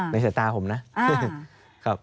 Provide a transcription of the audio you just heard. ในจัดตาผมนะ